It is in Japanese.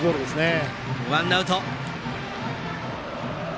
ワンアウト。